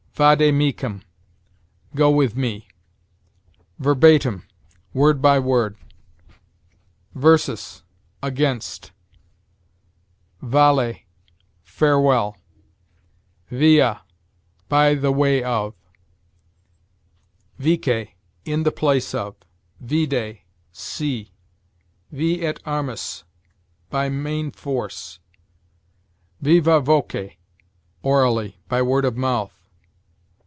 Vade mecum: go with me. Verbatim: word by word. Versus: against. Vale: fare well. Via: by the way of. Vice: in the place of. Vide: see. Vi et armis: by main force. Viva voce: orally; by word of mouth.